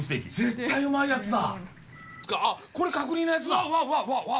絶対うまいやつだ。